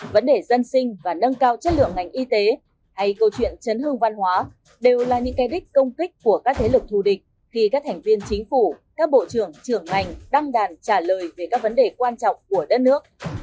vấn đề dân sinh và nâng cao chất lượng ngành y tế hay câu chuyện chấn hương văn hóa đều là những cái đích công kích của các thế lực thù địch khi các thành viên chính phủ các bộ trưởng trưởng ngành đăng đàn trả lời về các vấn đề quan trọng của đất nước